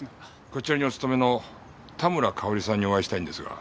こちらにお勤めの田村香織さんにお会いしたいんですが。